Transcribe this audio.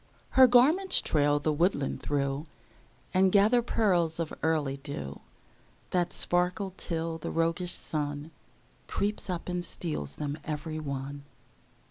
Her garments trail the woodland through, And gather pearls of early dew That sparkle till the roguish Sun Creeps up and steals them every one.